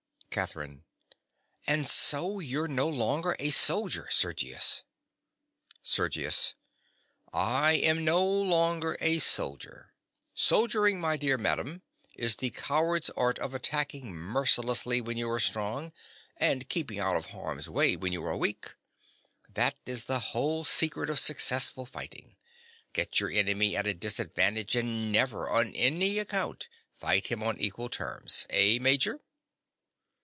_) CATHERINE. And so you're no longer a soldier, Sergius. SERGIUS. I am no longer a soldier. Soldiering, my dear madam, is the coward's art of attacking mercilessly when you are strong, and keeping out of harm's way when you are weak. That is the whole secret of successful fighting. Get your enemy at a disadvantage; and never, on any account, fight him on equal terms. Eh, Major!